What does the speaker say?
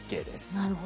なるほど。